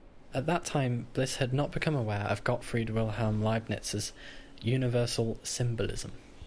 At that time Bliss had not become aware of Gottfried Wilhelm Leibniz's "Universal Symbolism".